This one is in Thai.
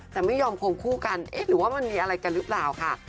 แต่ไม่ยอมควงคู่กันเอ๊ะหรือว่ามันมีอะไรกันหรือเปล่าค่ะ